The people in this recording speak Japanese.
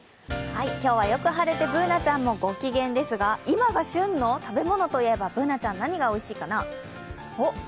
今日はよく晴れてＢｏｏｎａちゃんもご機嫌ですが、今が旬の食べ物といえば、何がおいしいかな？